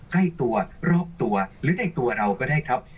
ใกล้ตัวรอบตัวหรือในตัวเราก็ได้ครับ